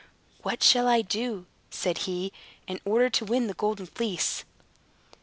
"What shall I do," said he, "in order to win the Golden Fleece?"